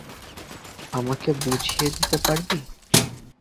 আমাকে বুঝিয়ে দিতে পারবি?